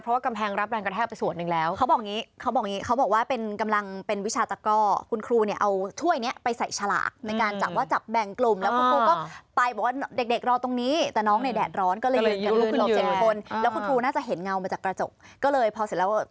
เพราะว่ากำแพงรับแรงกระแทกไปส่วนหนึ่งแล้ว